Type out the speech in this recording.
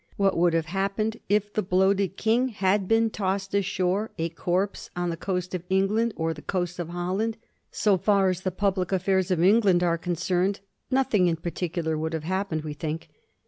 What would have happened if the bloated King had been tossed ashore a corpse on the coast of England or the coast of Holland ? So far as the public affairs of England are concerned, nothing in par ticular would have happened, we think.